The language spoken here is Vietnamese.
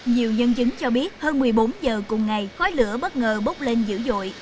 nhiều nhân chứng cho biết hơn một mươi bốn giờ cùng ngày khói lửa bất ngờ bốc lên dữ dội